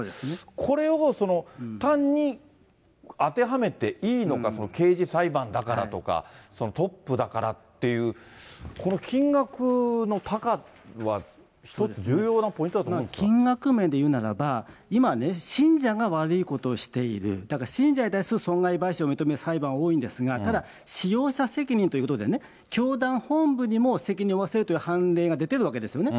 これを単に当てはめていいのか、刑事裁判だからとか、トップだからっていう、この金額の多寡は、一つ、金額面で言うならば、今信者が悪いことをしている、だから信者に対する損害賠償を認める裁判は多いんですが、ただ、使用者責任ということで、教団本部にも責任を負わせるという判例が出てるわけですよね。